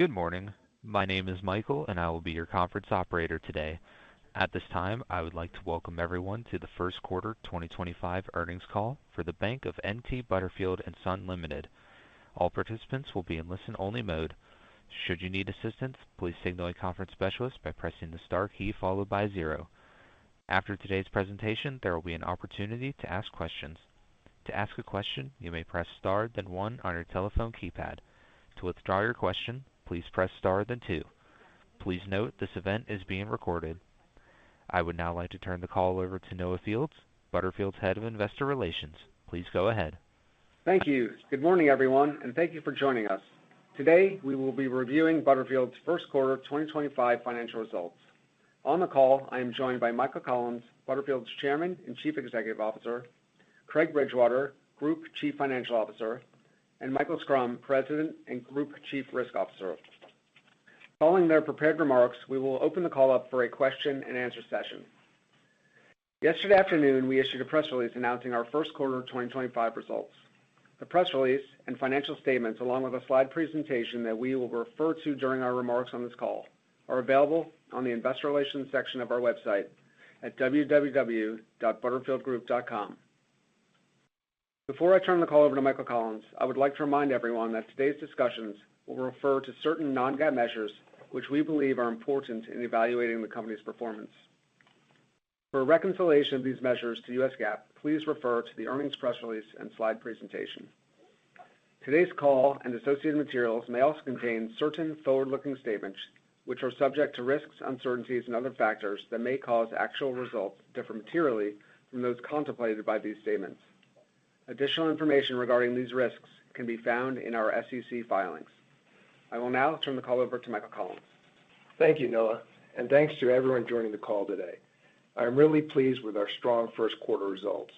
Good morning. My name is Michael, and I will be your conference operator today. At this time, I would like to welcome everyone to the first quarter 2025 earnings call for the Bank of N.T. Butterfield & Son Limited. All participants will be in listen-only mode. Should you need assistance, please signal a conference specialist by pressing the star key followed by zero. After today's presentation, there will be an opportunity to ask questions. To ask a question, you may press star, then one on your telephone keypad. To withdraw your question, please press star, then two. Please note this event is being recorded. I would now like to turn the call over to Noah Fields, Butterfield's head of investor relations. Please go ahead. Thank you. Good morning, everyone, and thank you for joining us. Today, we will be reviewing Butterfield's first quarter 2025 financial results. On the call, I am joined by Michael Collins, Butterfield's Chairman and Chief Executive Officer; Craig Bridgewater, Group Chief Financial Officer; and Michael Schrum, President and Group Chief Risk Officer. Following their prepared remarks, we will open the call up for a question-and-answer session. Yesterday afternoon, we issued a press release announcing our first quarter 2025 results. The press release and financial statements, along with a slide presentation that we will refer to during our remarks on this call, are available on the investor relations section of our website at www.butterfieldgroup.com. Before I turn the call over to Michael Collins, I would like to remind everyone that today's discussions will refer to certain non-GAAP measures, which we believe are important in evaluating the company's performance. For reconciliation of these measures to US GAAP, please refer to the earnings press release and slide presentation. Today's call and associated materials may also contain certain forward-looking statements, which are subject to risks, uncertainties, and other factors that may cause actual results to differ materially from those contemplated by these statements. Additional information regarding these risks can be found in our SEC filings. I will now turn the call over to Michael Collins. Thank you, Noah, and thanks to everyone joining the call today. I am really pleased with our strong first quarter results.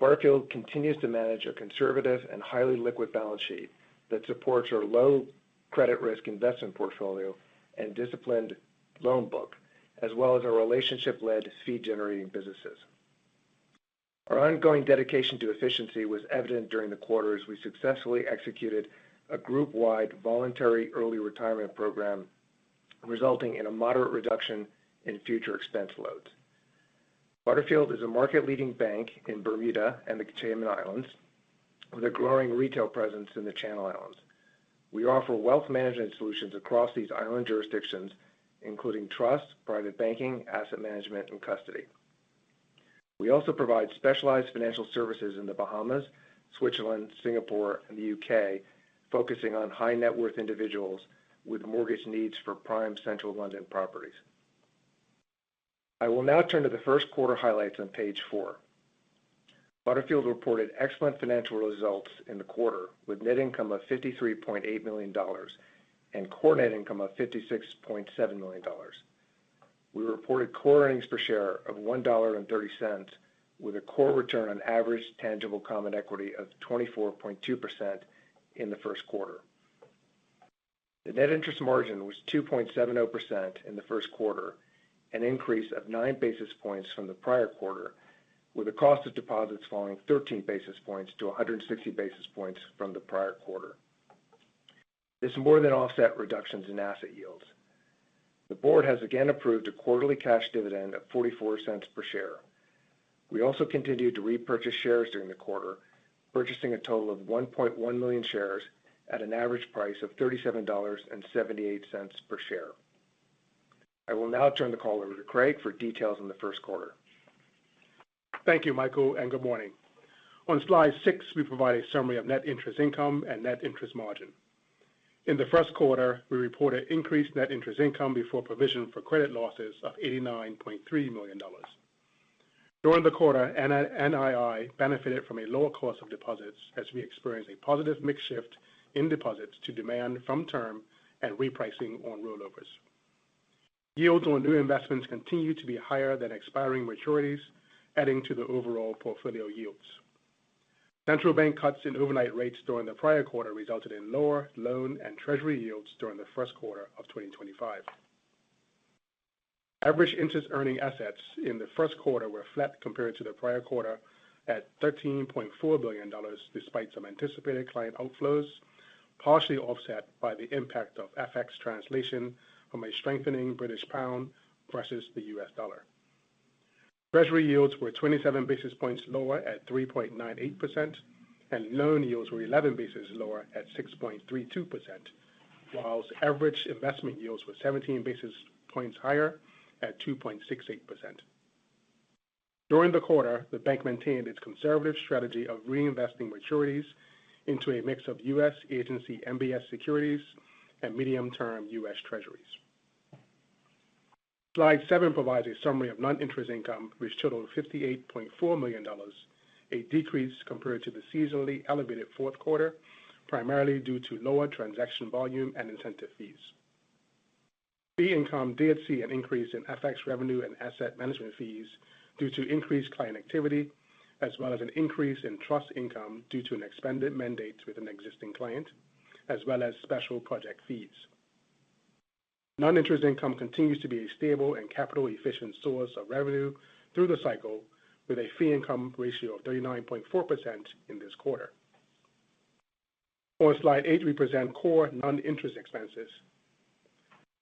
Butterfield continues to manage a conservative and highly liquid balance sheet that supports our low credit risk investment portfolio and disciplined loan book, as well as our relationship-led fee-generating businesses. Our ongoing dedication to efficiency was evident during the quarter as we successfully executed a group-wide voluntary early retirement program, resulting in a moderate reduction in future expense loads. Butterfield is a market-leading bank in Bermuda and the Cayman Islands, with a growing retail presence in the Channel Islands. We offer wealth management solutions across these island jurisdictions, including trust, private banking, asset management, and custody. We also provide specialized financial services in the Bahamas, Switzerland, Singapore, and the U.K., focusing on high-net-worth individuals with mortgage needs for prime central London properties. I will now turn to the first quarter highlights on page four. Butterfield reported excellent financial results in the quarter, with net income of $53.8 million and core net income of $56.7 million. We reported core earnings per share of $1.30, with a core return on average tangible common equity of 24.2% in the first quarter. The net interest margin was 2.70% in the first quarter, an increase of nine basis points from the prior quarter, with the cost of deposits falling 13 basis points to 160 basis points from the prior quarter. This more than offset reductions in asset yields. The board has again approved a quarterly cash dividend of $0.44 per share. We also continued to repurchase shares during the quarter, purchasing a total of 1.1 million shares at an average price of $37.78 per share. I will now turn the call over to Craig for details on the first quarter. Thank you, Michael, and good morning. On slide six, we provide a summary of net interest income and net interest margin. In the first quarter, we reported increased net interest income before provision for credit losses of $89.3 million. During the quarter, NII benefited from a lower cost of deposits as we experienced a positive mix shift in deposits to demand from term and repricing on rollovers. Yields on new investments continue to be higher than expiring maturities, adding to the overall portfolio yields. Central bank cuts in overnight rates during the prior quarter resulted in lower loan and treasury yields during the first quarter of 2025. Average interest-earning assets in the first quarter were flat compared to the prior quarter at $13.4 billion, despite some anticipated client outflows, partially offset by the impact of FX translation from a strengthening British pound versus the US dollar. Treasury yields were 27 basis points lower at 3.98%, and loan yields were 11 basis points lower at 6.32%, while average investment yields were 17 basis points higher at 2.68%. During the quarter, the bank maintained its conservative strategy of reinvesting maturities into a mix of US agency MBS securities and medium-term U.S. Treasuries. Slide seven provides a summary of non-interest income, which totaled $58.4 million, a decrease compared to the seasonally elevated fourth quarter, primarily due to lower transaction volume and incentive fees. Fee income did see an increase in FX revenue and asset management fees due to increased client activity, as well as an increase in trust income due to an expanded mandate with an existing client, as well as special project fees. Non-interest income continues to be a stable and capital-efficient source of revenue through the cycle, with a fee income ratio of 39.4% in this quarter. On slide eight, we present core non-interest expenses.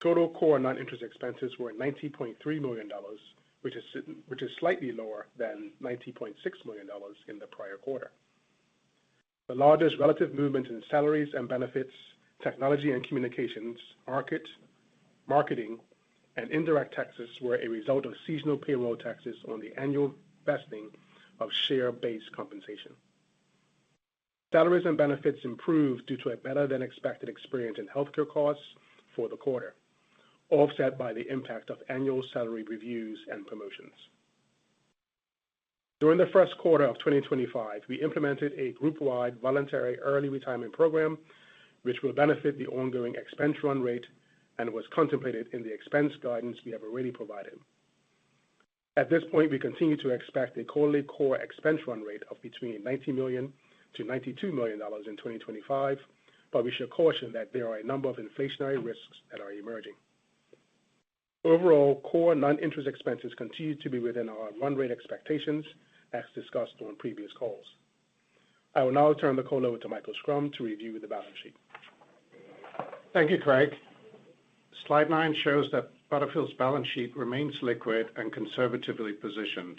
Total core non-interest expenses were $90.3 million, which is slightly lower than $90.6 million in the prior quarter. The largest relative movement in salaries and benefits, technology and communications, marketing, and indirect taxes were a result of seasonal payroll taxes on the annual vesting of share-based compensation. Salaries and benefits improved due to a better-than-expected experience in healthcare costs for the quarter, offset by the impact of annual salary reviews and promotions. During the first quarter of 2025, we implemented a group-wide voluntary early retirement program, which will benefit the ongoing expense run rate and was contemplated in the expense guidance we have already provided. At this point, we continue to expect a quarterly core expense run rate of between $90 million-$92 million in 2025, but we should caution that there are a number of inflationary risks that are emerging. Overall, core non-interest expenses continue to be within our run rate expectations, as discussed on previous calls. I will now turn the call over to Michael Schrum to review the balance sheet. Thank you, Craig. Slide nine shows that Butterfield's balance sheet remains liquid and conservatively positioned.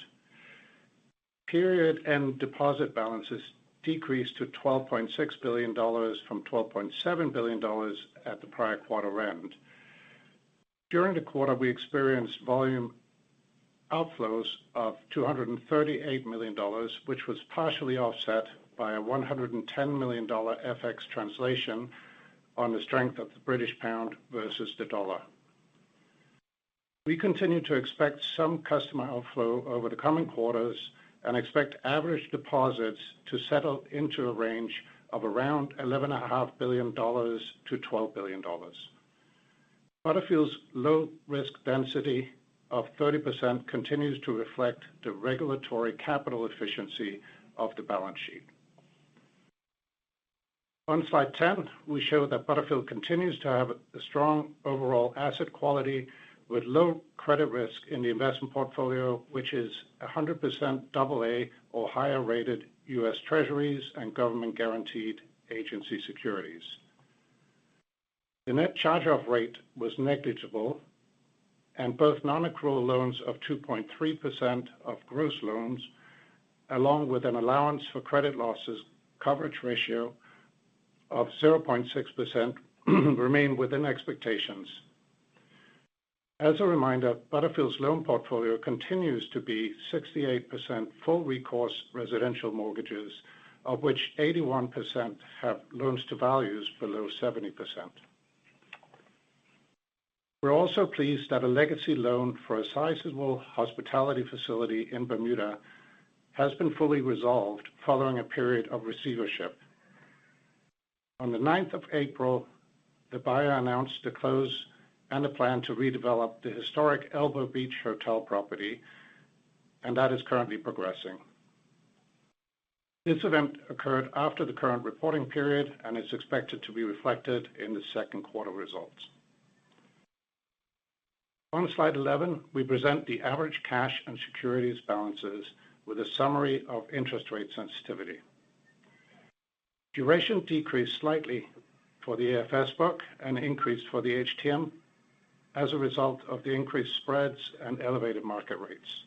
Period end deposit balances decreased to $12.6 billion from $12.7 billion at the prior quarter end. During the quarter, we experienced volume outflows of $238 million, which was partially offset by a $110 million FX translation on the strength of the British pound versus the dollar. We continue to expect some customer outflow over the coming quarters and expect average deposits to settle into a range of around $11.5 billion-$12 billion. Butterfield's low-risk density of 30% continues to reflect the regulatory capital efficiency of the balance sheet. On slide 10, we show that Butterfield continues to have a strong overall asset quality with low credit risk in the investment portfolio, which is 100% AA or higher-rated US treasuries and government-guaranteed agency securities. The net charge-off rate was negligible, and both non-accrual loans of 2.3% of gross loans, along with an allowance for credit losses coverage ratio of 0.6%, remained within expectations. As a reminder, Butterfield's loan portfolio continues to be 68% full-recourse residential mortgages, of which 81% have loans to values below 70%. We're also pleased that a legacy loan for a sizable hospitality facility in Bermuda has been fully resolved following a period of receivership. On the 9th of April, the buyer announced the close and a plan to redevelop the historic Elbow Beach Hotel property, and that is currently progressing. This event occurred after the current reporting period and is expected to be reflected in the second quarter results. On slide 11, we present the average cash and securities balances with a summary of interest rate sensitivity. Duration decreased slightly for the AFS book and increased for the HTM as a result of the increased spreads and elevated market rates.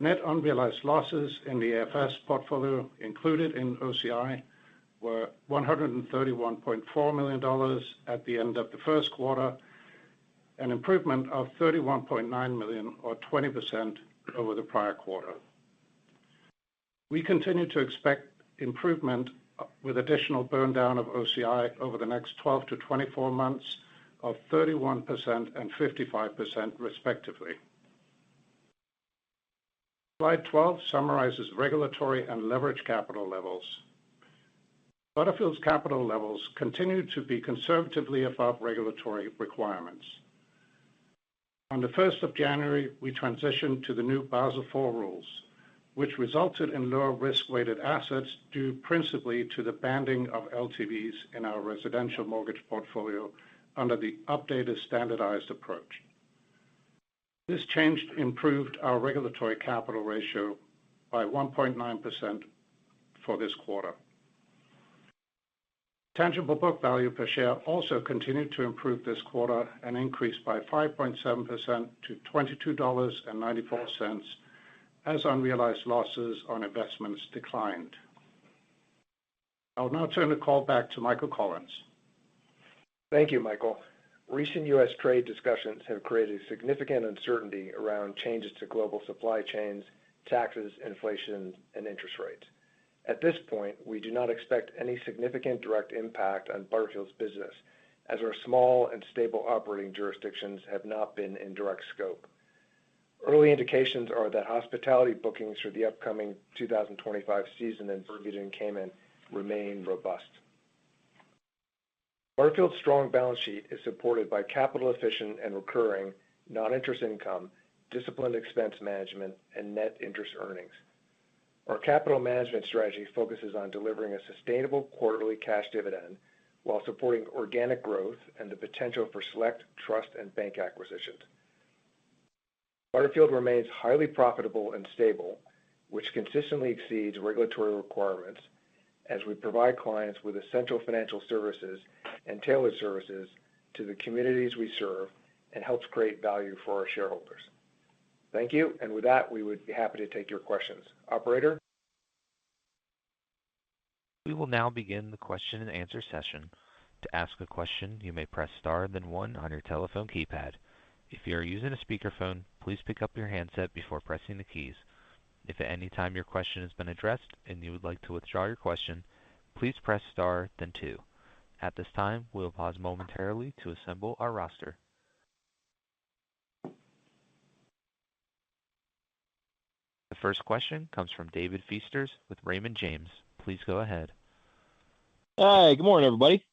Net unrealized losses in the AFS portfolio included in OCI were $131.4 million at the end of the first quarter, an improvement of $31.9 million, or 20%, over the prior quarter. We continue to expect improvement with additional burn down of OCI over the next 12-24 months of 31% and 55%, respectively. Slide 12 summarizes regulatory and leverage capital levels. Butterfield's capital levels continue to be conservatively above regulatory requirements. On the 1st of January, we transitioned to the new Basel 4 rules, which resulted in lower risk-weighted assets due principally to the banding of LTVs in our residential mortgage portfolio under the updated standardized approach. This change improved our regulatory capital ratio by 1.9% for this quarter. Tangible book value per share also continued to improve this quarter and increased by 5.7% to $22.94 as unrealized losses on investments declined. I'll now turn the call back to Michael Collins. Thank you, Michael. Recent U.S. trade discussions have created significant uncertainty around changes to global supply chains, taxes, inflation, and interest rates. At this point, we do not expect any significant direct impact on Butterfield's business, as our small and stable operating jurisdictions have not been in direct scope. Early indications are that hospitality bookings for the upcoming 2025 season in Bermuda and Cayman remain robust. Butterfield's strong balance sheet is supported by capital-efficient and recurring non-interest income, disciplined expense management, and net interest earnings. Our capital management strategy focuses on delivering a sustainable quarterly cash dividend while supporting organic growth and the potential for select trust and bank acquisitions. Butterfield remains highly profitable and stable, which consistently exceeds regulatory requirements as we provide clients with essential financial services and tailored services to the communities we serve and helps create value for our shareholders. Thank you, and with that, we would be happy to take your questions. Operator. We will now begin the question-and-answer session. To ask a question, you may press star then one on your telephone keypad. If you are using a speakerphone, please pick up your handset before pressing the keys. If at any time your question has been addressed and you would like to withdraw your question, please press star then two. At this time, we'll pause momentarily to assemble our roster. The first question comes from David Feaster with Raymond James. Please go ahead. Hi, good morning, everybody.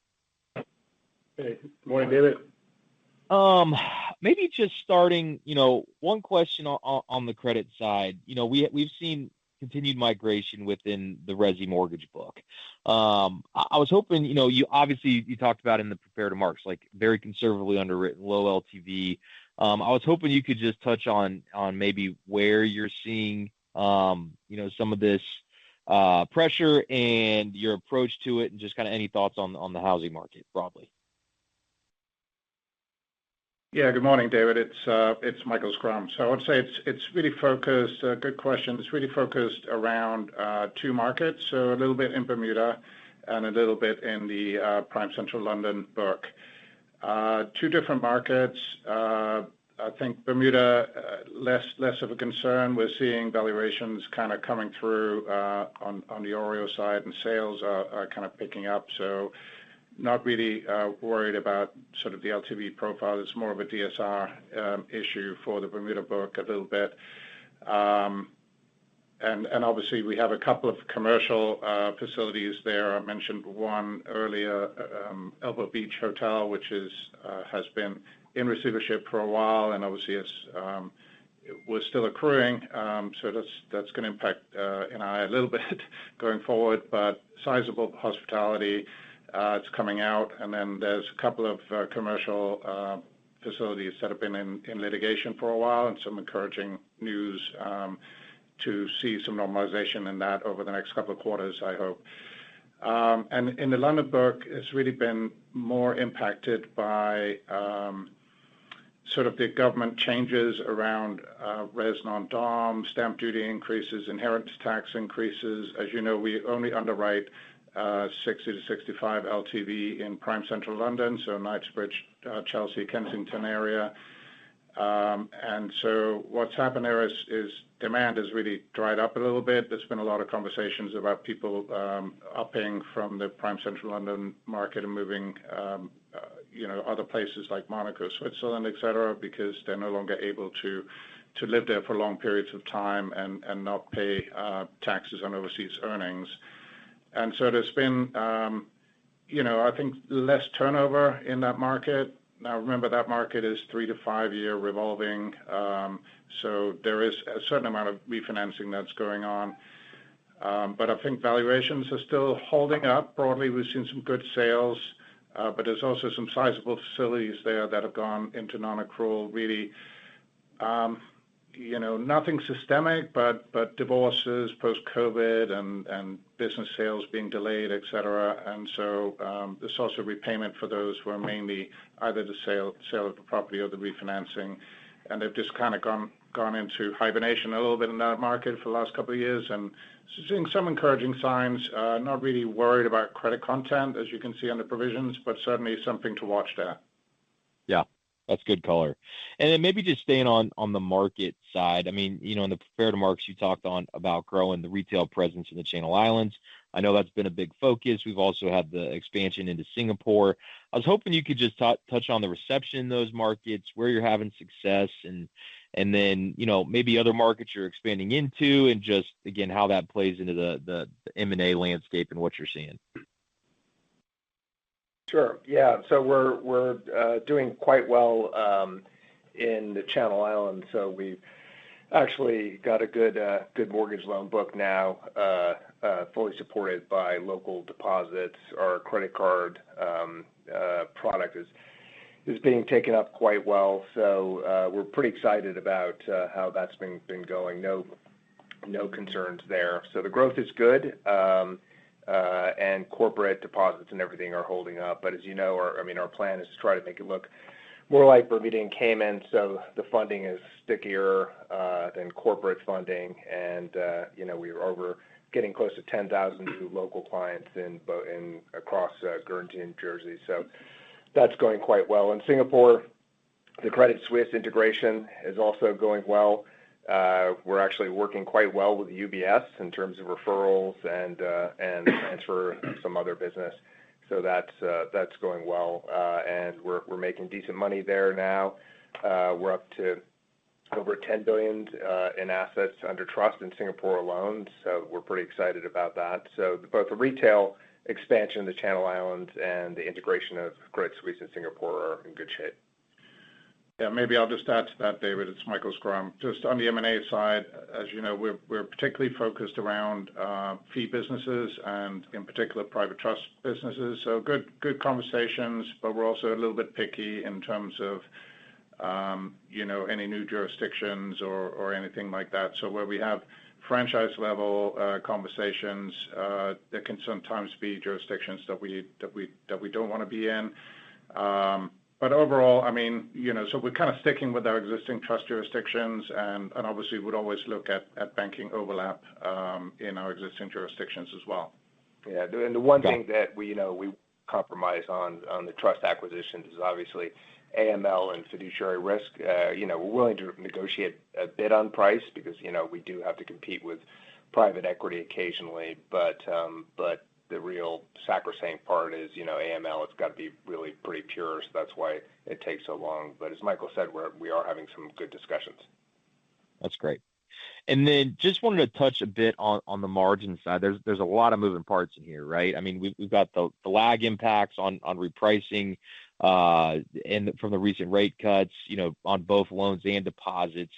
Hey, good morning, David. Maybe just starting, you know, one question on the credit side. You know, we've seen continued migration within the resi mortgage book. I was hoping, you know, you obviously talked about in the prepared remarks, like very conservatively underwritten, low LTV. I was hoping you could just touch on maybe where you're seeing, you know, some of this pressure and your approach to it and just kind of any thoughts on the housing market broadly. Yeah, good morning, David. It's Michael Schrum. I would say it's really focused, good question. It's really focused around two markets, a little bit in Bermuda and a little bit in the prime central London book. Two different markets. I think Bermuda, less of a concern. We're seeing valuations kind of coming through on the OREO side, and sales are kind of picking up. Not really worried about the LTV profile. It's more of a DSR issue for the Bermuda book a little bit. Obviously, we have a couple of commercial facilities there. I mentioned one earlier, Elbow Beach Hotel, which has been in receivership for a while and was still accruing. That's going to impact NII a little bit going forward, but sizable hospitality is coming out. There are a couple of commercial facilities that have been in litigation for a while and some encouraging news to see some normalization in that over the next couple of quarters, I hope. In the London book, it has really been more impacted by sort of the government changes around res non-dom, stamp duty increases, inheritance tax increases. As you know, we only underwrite 60-65% LTV in prime central London, so Knightsbridge, Chelsea, Kensington area. What has happened there is demand has really dried up a little bit. There have been a lot of conversations about people upping from the prime central London market and moving, you know, other places like Monaco, Switzerland, etc., because they are no longer able to live there for long periods of time and not pay taxes on overseas earnings. There has been, you know, I think less turnover in that market. Now, remember, that market is three to five-year revolving, so there is a certain amount of refinancing that's going on. I think valuations are still holding up broadly. We've seen some good sales, but there's also some sizable facilities there that have gone into non-accrual, really, you know, nothing systemic, but divorces post-COVID and business sales being delayed, etc. There is also repayment for those who are mainly either the sale of the property or the refinancing. They've just kind of gone into hibernation a little bit in that market for the last couple of years and seeing some encouraging signs. Not really worried about credit content, as you can see under provisions, but certainly something to watch there. Yeah, that's good color. Maybe just staying on the market side, I mean, you know, in the prepared remarks, you talked about growing the retail presence in the Channel Islands. I know that's been a big focus. We've also had the expansion into Singapore. I was hoping you could just touch on the reception in those markets, where you're having success, and then, you know, maybe other markets you're expanding into and just, again, how that plays into the M&A landscape and what you're seeing. Sure. Yeah. We're doing quite well in the Channel Islands. We've actually got a good mortgage loan book now, fully supported by local deposits. Our credit card product is being taken up quite well. We're pretty excited about how that's been going. No concerns there. The growth is good, and corporate deposits and everything are holding up. As you know, I mean, our plan is to try to make it look more like Bermuda and Cayman, so the funding is stickier than corporate funding. You know, we're over getting close to 10,000 new local clients across Guernsey and Jersey. That's going quite well. In Singapore, the Credit Suisse integration is also going well. We're actually working quite well with UBS in terms of referrals and transfer some other business. That's going well. We're making decent money there now. We're up to over $10 billion in assets under trust in Singapore alone. We're pretty excited about that. Both the retail expansion of the Channel Islands and the integration of Credit Suisse in Singapore are in good shape. Yeah, maybe I'll just add to that, David. It's Michael Schrum. Just on the M&A side, as you know, we're particularly focused around fee businesses and, in particular, private trust businesses. Good conversations, but we're also a little bit picky in terms of, you know, any new jurisdictions or anything like that. Where we have franchise-level conversations, there can sometimes be jurisdictions that we don't want to be in. Overall, I mean, you know, we're kind of sticking with our existing trust jurisdictions and obviously would always look at banking overlap in our existing jurisdictions as well. Yeah. The one thing that we, you know, we compromise on the trust acquisitions is obviously AML and fiduciary risk. You know, we're willing to negotiate a bit on price because, you know, we do have to compete with private equity occasionally. The real sacrosanct part is, you know, AML, it's got to be really pretty pure, so that's why it takes so long. As Michael said, we are having some good discussions. That's great. I just wanted to touch a bit on the margin side. There's a lot of moving parts in here, right? I mean, we've got the lag impacts on repricing from the recent rate cuts, you know, on both loans and deposits.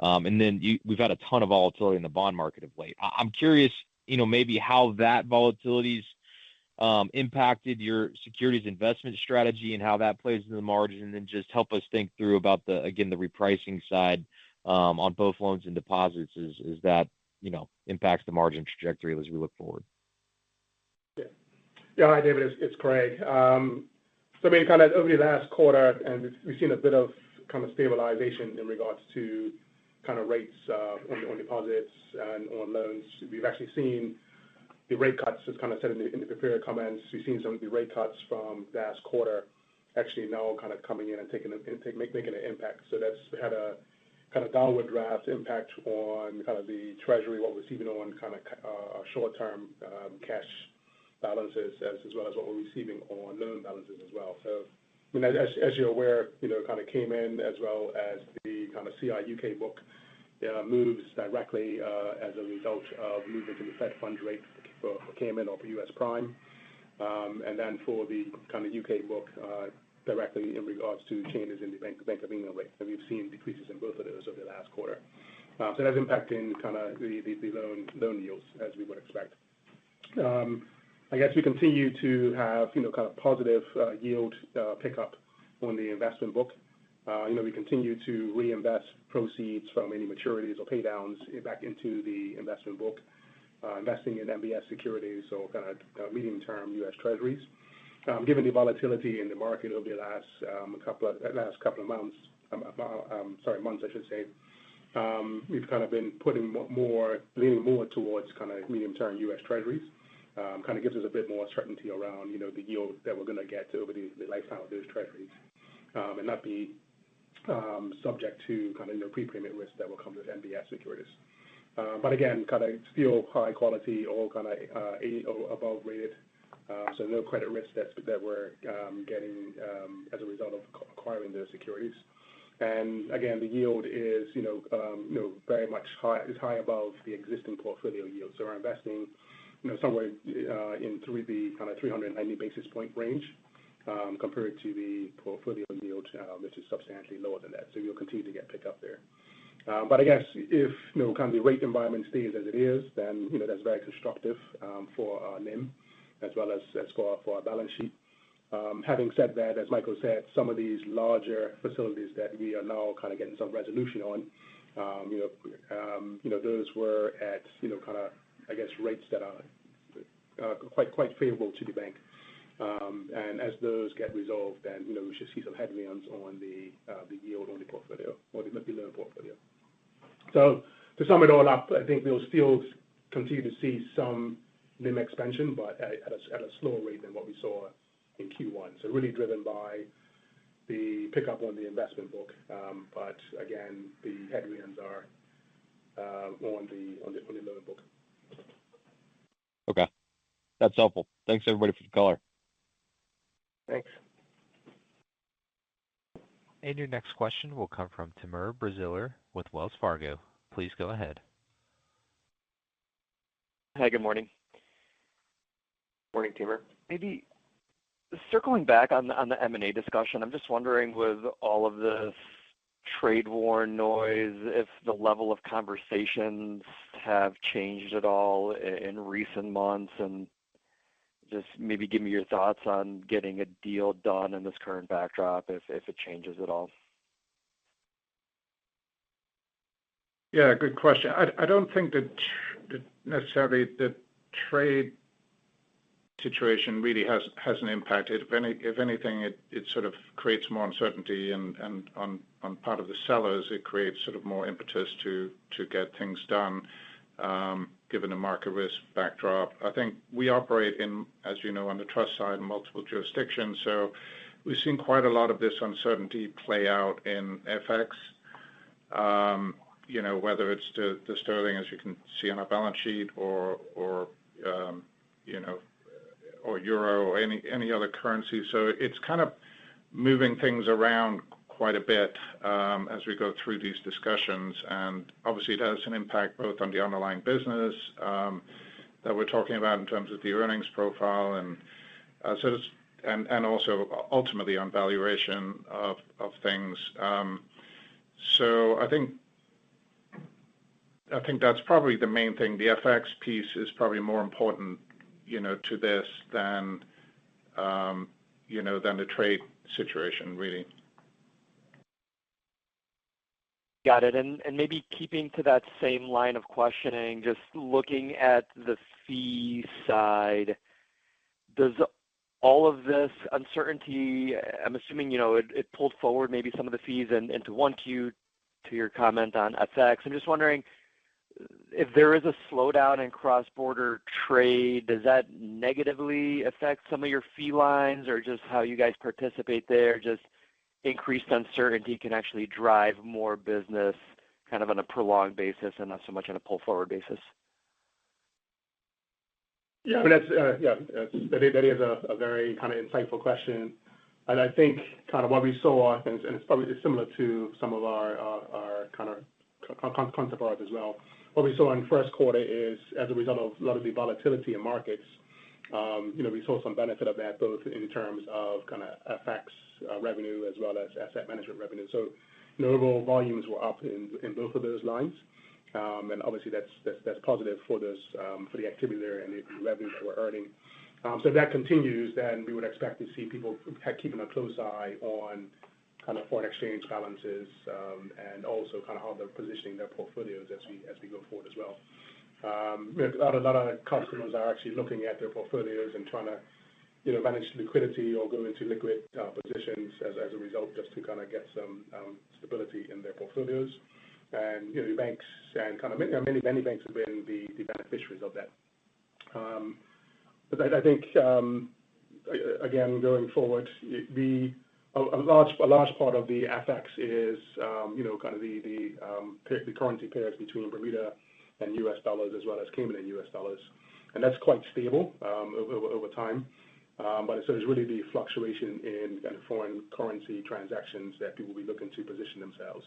We've had a ton of volatility in the bond market of late. I'm curious, you know, maybe how that volatility's impacted your securities investment strategy and how that plays in the margin and just help us think through about the, again, the repricing side on both loans and deposits as that, you know, impacts the margin trajectory as we look forward. Yeah. Yeah. Hi, David. It's Craig. I mean, kind of over the last quarter, we've seen a bit of kind of stabilization in regards to kind of rates on deposits and on loans. We've actually seen the rate cuts just kind of set in the prepared comments. We've seen some of the rate cuts from last quarter actually now kind of coming in and making an impact. That's had a kind of downward draft impact on kind of the treasury, what we're receiving on kind of short-term cash balances as well as what we're receiving on loan balances as well. I mean, as you're aware, you know, it kind of came in as well as the kind of CI UK book moves directly as a result of moving to the Fed fund rate for Cayman or for US prime. For the kind of U.K. book directly in regards to changes in the Bank of England rate, we have seen decreases in both of those over the last quarter. That is impacting kind of the loan yields as we would expect. I guess we continue to have, you know, kind of positive yield pickup on the investment book. You know, we continue to reinvest proceeds from any maturities or paydowns back into the investment book, investing in MBS securities, so kind of medium-term US treasuries. Given the volatility in the market over the last couple of months, I should say, we have kind of been putting more, leaning more towards kind of medium-term US treasuries. Kind of gives us a bit more certainty around, you know, the yield that we're going to get over the lifetime of those treasuries and not be subject to kind of, you know, prepayment risk that will come with MBS securities. Again, kind of still high quality, all kind of above-rated. No credit risk that we're getting as a result of acquiring those securities. Again, the yield is, you know, very much high, is high above the existing portfolio yield. We're investing, you know, somewhere in through the kind of 390 basis point range compared to the portfolio yield, which is substantially lower than that. We'll continue to get pickup there. I guess if, you know, kind of the rate environment stays as it is, then, you know, that's very constructive for NIM as well as for our balance sheet. Having said that, as Michael said, some of these larger facilities that we are now kind of getting some resolution on, you know, those were at, you know, kind of, I guess, rates that are quite favorable to the bank. As those get resolved, you know, we should see some headwinds on the yield on the portfolio or the loan portfolio. To sum it all up, I think we'll still continue to see some NIM expansion, but at a slower rate than what we saw in Q1. Really driven by the pickup on the investment book. Again, the headwinds are on the loan book. Okay. That's helpful. Thanks, everybody, for the color. Thanks. Your next question will come from Timur Braziler with Wells Fargo. Please go ahead. Hey, good morning. Morning, Timur. Maybe circling back on the M&A discussion, I'm just wondering with all of this trade war noise, if the level of conversations have changed at all in recent months and just maybe give me your thoughts on getting a deal done in this current backdrop if it changes at all. Yeah, good question. I don't think that necessarily the trade situation really has impacted. If anything, it sort of creates more uncertainty and on part of the sellers, it creates sort of more impetus to get things done given the market risk backdrop. I think we operate in, as you know, on the trust side in multiple jurisdictions. We've seen quite a lot of this uncertainty play out in FX, you know, whether it's the sterling, as you can see on our balance sheet, or euro or any other currency. It's kind of moving things around quite a bit as we go through these discussions. Obviously, it has an impact both on the underlying business that we're talking about in terms of the earnings profile and also ultimately on valuation of things. I think that's probably the main thing. The FX piece is probably more important, you know, to this than, you know, than the trade situation, really. Got it. Maybe keeping to that same line of questioning, just looking at the fee side, does all of this uncertainty, I'm assuming, you know, it pulled forward maybe some of the fees into one Q to your comment on FX. I'm just wondering if there is a slowdown in cross-border trade, does that negatively affect some of your fee lines or just how you guys participate there? Just increased uncertainty can actually drive more business kind of on a prolonged basis and not so much on a pull-forward basis. Yeah. I mean, that's a very kind of insightful question. I think kind of what we saw, and it's probably similar to some of our kind of concept products as well, what we saw in the first quarter is as a result of a lot of the volatility in markets, you know, we saw some benefit of that both in terms of kind of FX revenue as well as asset management revenue. Notable volumes were up in both of those lines. Obviously, that's positive for the activity there and the revenue that we're earning. If that continues, then we would expect to see people keeping a close eye on kind of foreign exchange balances and also kind of how they're positioning their portfolios as we go forward as well. A lot of customers are actually looking at their portfolios and trying to, you know, manage liquidity or go into liquid positions as a result just to kind of get some stability in their portfolios. You know, banks and kind of many banks have been the beneficiaries of that. I think, again, going forward, a large part of the FX is, you know, kind of the currency pairs between Bermuda and US dollars as well as Cayman and US dollars. That is quite stable over time. It is really the fluctuation in kind of foreign currency transactions that people will be looking to position themselves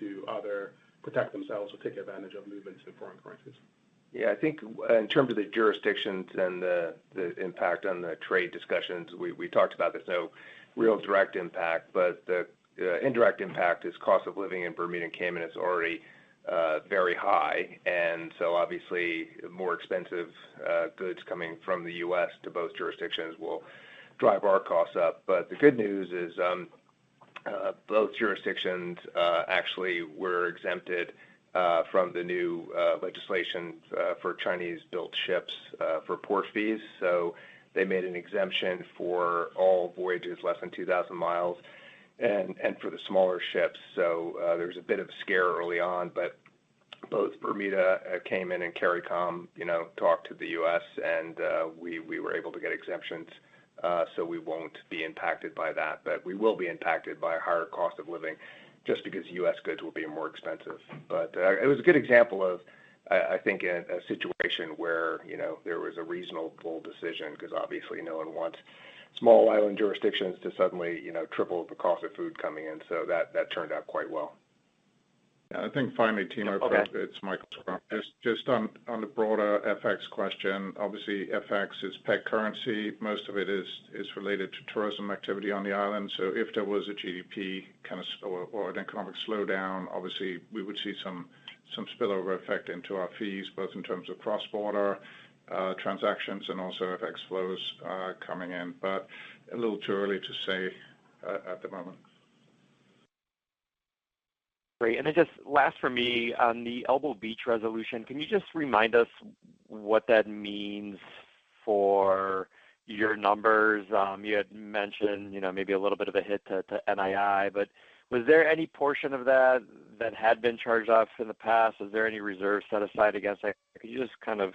to either protect themselves or take advantage of movements in foreign currencies. Yeah. I think in terms of the jurisdictions and the impact on the trade discussions, we talked about this. No real direct impact, but the indirect impact is cost of living in Bermuda and Cayman is already very high. Obviously, more expensive goods coming from the U.S. to both jurisdictions will drive our costs up. The good news is both jurisdictions actually were exempted from the new legislation for Chinese-built ships for port fees. They made an exemption for all voyages less than 2,000 mi and for the smaller ships. There was a bit of a scare early on, but both Bermuda and Cayman and CARICOM, you know, talked to the U.S. and we were able to get exemptions. We will not be impacted by that, but we will be impacted by a higher cost of living just because U.S. goods will be more expensive. It was a good example of, I think, a situation where, you know, there was a reasonable decision because obviously no one wants small island jurisdictions to suddenly, you know, triple the cost of food coming in. That turned out quite well. Yeah. I think finally, Timur, it's Michael Schrum. Just on the broader FX question, obviously FX is pegged currency. Most of it is related to tourism activity on the island. If there was a GDP kind of or an economic slowdown, obviously we would see some spillover effect into our fees, both in terms of cross-border transactions and also FX flows coming in, but a little too early to say at the moment. Great. It just lasts for me on the Elbow Beach resolution. Can you just remind us what that means for your numbers? You had mentioned, you know, maybe a little bit of a hit to NII, but was there any portion of that that had been charged off in the past? Was there any reserve set aside against? Could you just kind of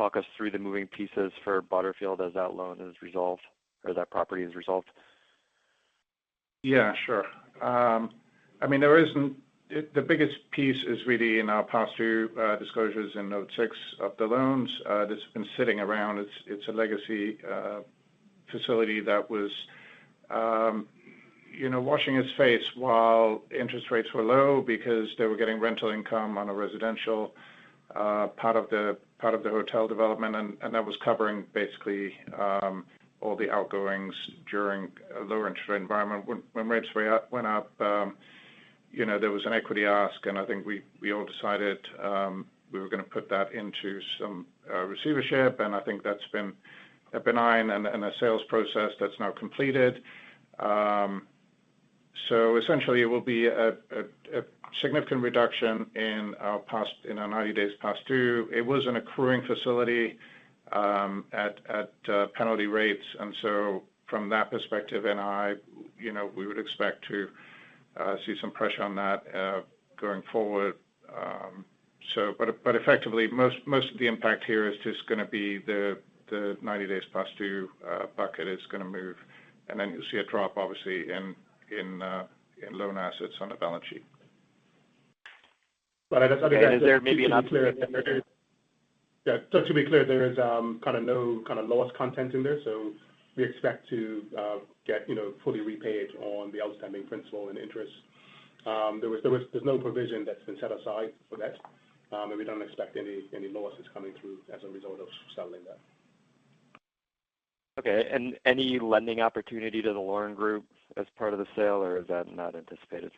talk us through the moving pieces for Butterfield as that loan is resolved or that property is resolved? Yeah, sure. I mean, there isn't. The biggest piece is really in our past two disclosures in note six of the loans. This has been sitting around. It's a legacy facility that was, you know, washing its face while interest rates were low because they were getting rental income on a residential part of the hotel development. And that was covering basically all the outgoings during a lower interest rate environment. When rates went up, you know, there was an equity ask and I think we all decided we were going to put that into some receivership. I think that's been a benign and a sales process that's now completed. Essentially it will be a significant reduction in our past, in our 90 days past due. It was an accruing facility at penalty rates. From that perspective, NI, you know, we would expect to see some pressure on that going forward. Effectively, most of the impact here is just going to be the 90 days past due bucket is going to move. You will see a drop, obviously, in loan assets on the balance sheet. I guess maybe another thing to be clear, there is kind of no kind of loss content in there. We expect to get, you know, fully repaid on the outstanding principal and interest. There was, there was, there's no provision that's been set aside for that. We don't expect any losses coming through as a result of selling that. Okay. Any lending opportunity to the Loren Group as part of the sale or is that not anticipated?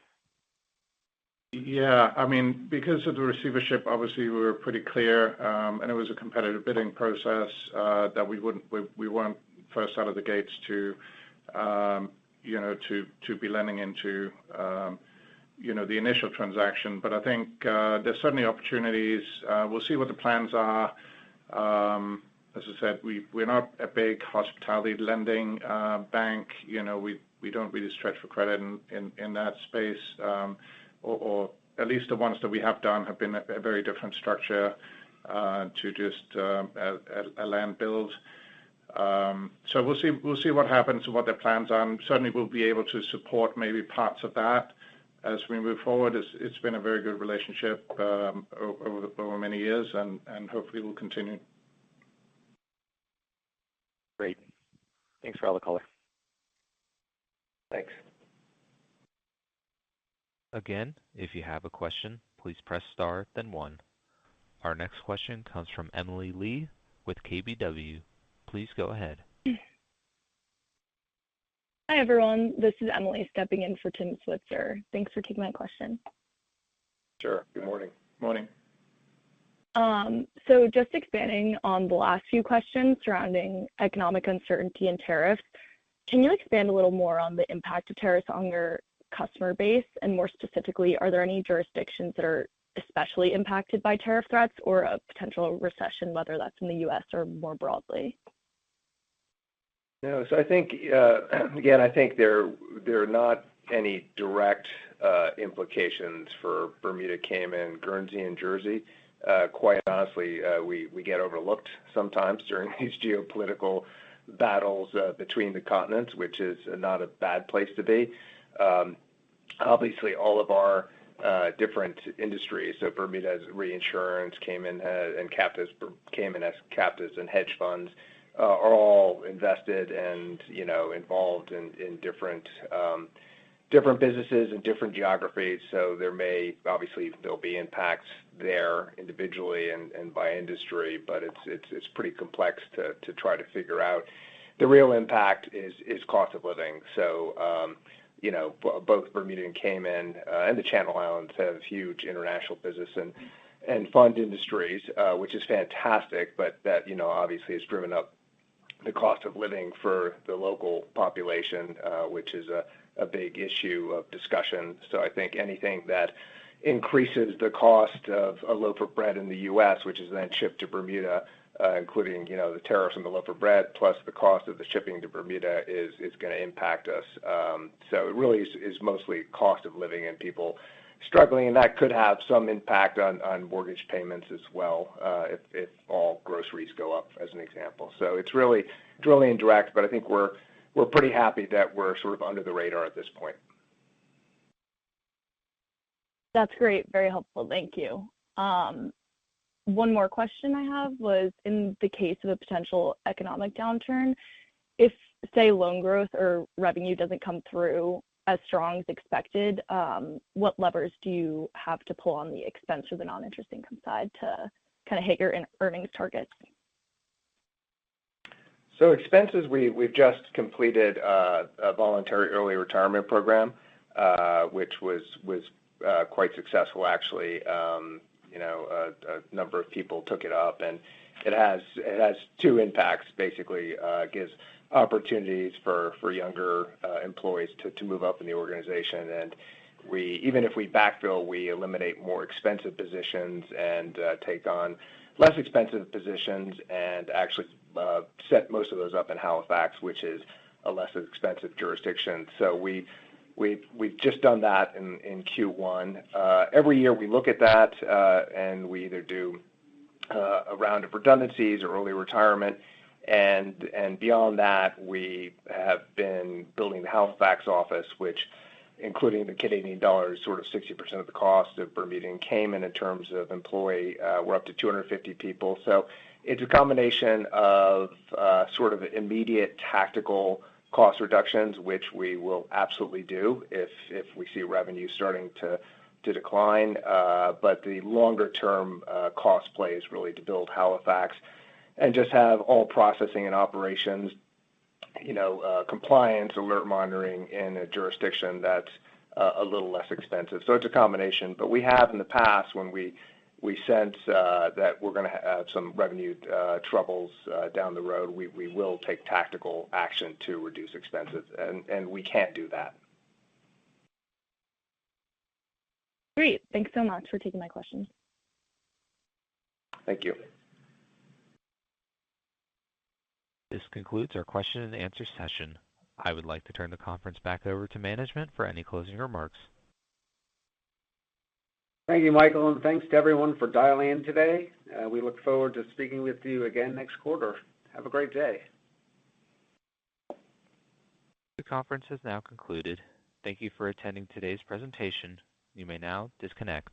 Yeah. I mean, because of the receivership, obviously we were pretty clear and it was a competitive bidding process that we were not first out of the gates to, you know, to be lending into, you know, the initial transaction. I think there are certainly opportunities. We will see what the plans are. As I said, we are not a big hospitality lending bank. We do not really stretch for credit in that space or at least the ones that we have done have been a very different structure to just a land build. We will see what happens and what their plans are. Certainly we will be able to support maybe parts of that as we move forward. It has been a very good relationship over many years and hopefully we will continue. Great. Thanks for all the calling. Thanks. Again, if you have a question, please press star, then one. Our next question comes from Emily Lee with KBW. Please go ahead. Hi everyone. This is Emily stepping in for Tim Switzer. Thanks for taking my question. Sure. Good morning. Morning. Expanding on the last few questions surrounding economic uncertainty and tariffs. Can you expand a little more on the impact of tariffs on your customer base? More specifically, are there any jurisdictions that are especially impacted by tariff threats or a potential recession, whether that's in the U.S. or more broadly? No. I think, again, I think there are not any direct implications for Bermuda, Cayman, Guernsey, and Jersey. Quite honestly, we get overlooked sometimes during these geopolitical battles between the continents, which is not a bad place to be. Obviously, all of our different industries, so Bermuda's reinsurance, Cayman and captives and hedge funds are all invested and, you know, involved in different businesses and different geographies. There may obviously be impacts there individually and by industry, but it is pretty complex to try to figure out. The real impact is cost of living. You know, both Bermuda and Cayman and the Channel Islands have huge international business and fund industries, which is fantastic, but that, you know, obviously has driven up the cost of living for the local population, which is a big issue of discussion. I think anything that increases the cost of a loaf of bread in the U.S., which is then shipped to Bermuda, including, you know, the tariffs on the loaf of bread, plus the cost of the shipping to Bermuda is going to impact us. It really is mostly cost of living and people struggling. That could have some impact on mortgage payments as well if all groceries go up, as an example. It is really indirect, but I think we're pretty happy that we're sort of under the radar at this point. That's great. Very helpful. Thank you. One more question I have was in the case of a potential economic downturn, if say loan growth or revenue doesn't come through as strong as expected, what levers do you have to pull on the expense or the non-interest income side to kind of haggle in earnings targets? Expenses, we've just completed a voluntary early retirement program, which was quite successful, actually. You know, a number of people took it up and it has two impacts. Basically, it gives opportunities for younger employees to move up in the organization. We, even if we backfill, eliminate more expensive positions and take on less expensive positions and actually set most of those up in Halifax, which is a less expensive jurisdiction. We've just done that in Q1. Every year we look at that and we either do a round of redundancies or early retirement. Beyond that, we have been building the Halifax office, which, including the Canadian dollars, is sort of 60% of the cost of Bermuda and Cayman in terms of employee. We're up to 250 people. It's a combination of sort of immediate tactical cost reductions, which we will absolutely do if we see revenue starting to decline. The longer-term cost plays really to build Halifax and just have all processing and operations, you know, compliance, alert monitoring in a jurisdiction that's a little less expensive. It's a combination. We have in the past, when we sense that we're going to have some revenue troubles down the road, we will take tactical action to reduce expenses. We can't do that. Great. Thanks so much for taking my questions. Thank you. This concludes our question and answer session. I would like to turn the conference back over to management for any closing remarks. Thank you, Michael. Thank you to everyone for dialing in today. We look forward to speaking with you again next quarter. Have a great day. The conference has now concluded. Thank you for attending today's presentation. You may now disconnect.